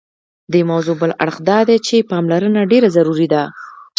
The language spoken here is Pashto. دې موضوع بل اړخ دادی چې پاملرنه ډېره ضروري ده.